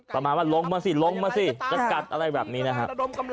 ประมาณว่าลงมาสิลงมาสิจะกัดอะไรแบบนี้นะฮะ